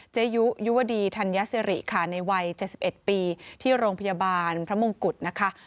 เจยุยุวดีธัญญาเสรีค่ะในวัยเจสิบเอ็ดปีที่โรงพยาบาลพระมงกุฎนะคะ